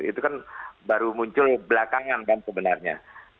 itu kan baru muncul belakangan kan sebenarnya